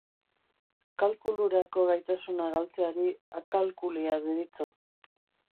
Kalkulurako gaitasuna galtzeari akalkulia deritzo.